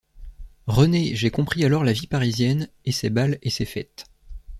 Renée, j’ai compris alors la vie parisienne, et ses bals et ses fêtes.